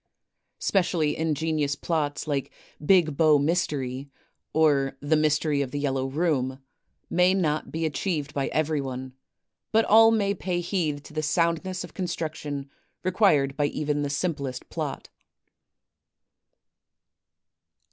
Specially ingenious plots, like "Big Bow Mystery" or "The Mystery of the Yellow Room," may not be achieved by cverj'one; but all may pay heed to the soundness of construc tion required by even the simplest plot.